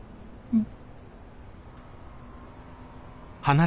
うん。